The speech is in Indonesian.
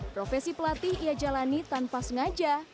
profesi pelatih ia jalani tanpa sengaja